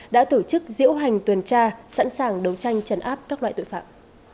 đã tổ chức diễu hành tuần tra sẵn sàng đấu tranh chấn áp các loại tội phạm